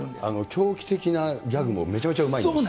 狂気的なギャグもめちゃめちゃうまいです。